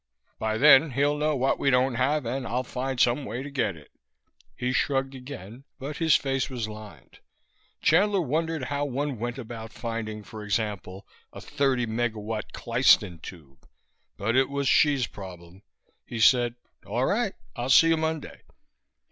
By then he'll know what we don't have, and I'll find some way to get it." He shrugged again, but his face was lined. Chandler wondered how one went about finding, for example, a thirty megawatt klystron tube; but it was Hsi's problem. He said: "All right, I'll see you Monday."